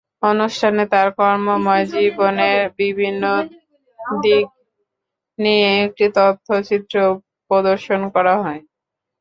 অনুষ্ঠানে তাঁর কর্মময় জীবনের বিভিন্ন দিক নিয়ে একটি তথ্যচিত্রও প্রদর্শন করা হয়।